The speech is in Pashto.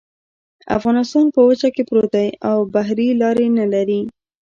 افغانستان په وچه کې پروت دی او بحري لارې نلري